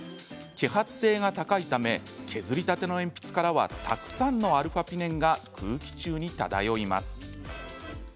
揮発性が高いため削りたての鉛筆からはたくさんのα−ピネンが空気中に漂います。